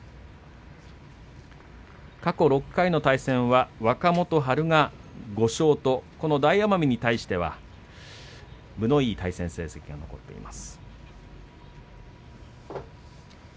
過去６回の対戦は若元春が５勝とこの大奄美に対しては分のいい対戦成績が残っています。